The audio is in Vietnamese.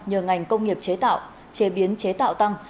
nhờ ngành công nghiệp chế tạo chế biến chế tạo tăng